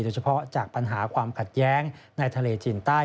เฉพาะจากปัญหาความขัดแย้งในทะเลจีนใต้